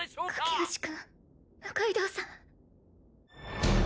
架橋君六階堂さん